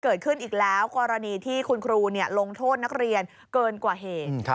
เกิดขึ้นอีกแล้วกรณีที่คุณครูลงโทษนักเรียนเกินกว่าเหตุ